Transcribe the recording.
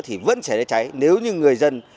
thì vẫn xảy ra cháy nếu như người dân